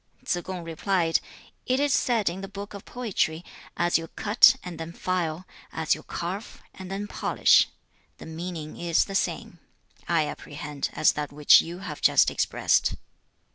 2. Tsze kung replied, 'It is said in the Book of Poetry, "As you cut and then file, as you carve and then polish." The meaning is the same, I apprehend, as that which you have just expressed.'